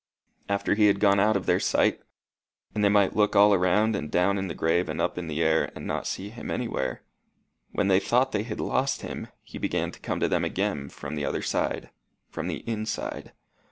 After he had gone out of their sight, and they might look all around and down in the grave and up in the air, and not see him anywhere when they thought they had lost him, he began to come to them again from the other side from the inside.